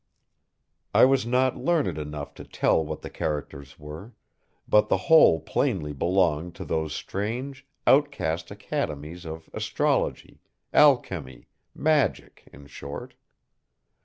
I was not learned enough to tell what the characters were, but the whole plainly belonged to those strange, outcast academies of astrology, alchemy magic, in short.